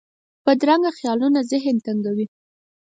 بدرنګه خیالونه ذهن تنګوي